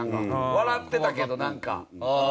笑ってたけどなんか。